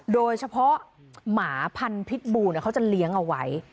โดยเฉพาะหมาพันธุ์พิษบูเขาจะเลี้ยงเอาไว้